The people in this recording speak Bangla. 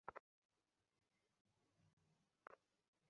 সে যদি আমার জানে?